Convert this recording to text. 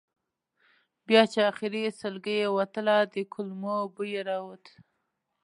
بیا چې آخري سلګۍ یې وتله د کولمو بوی یې راووت.